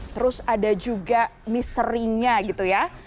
terus ada juga misterinya gitu ya